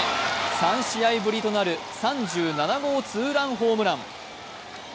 ３試合ぶりとなる３７号ツーランホームラン。